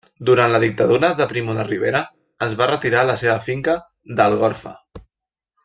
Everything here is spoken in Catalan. Durant la Dictadura de Primo de Rivera es va retirar a la seva finca d'Algorfa.